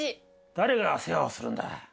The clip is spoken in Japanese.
誰が世話をするんだ。